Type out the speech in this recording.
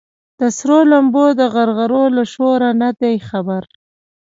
د سرو لمبو د غرغرو له شوره نه دي خبر